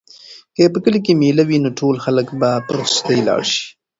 که په کلي کې مېله وي نو ټول خلک به په رخصتۍ لاړ شي.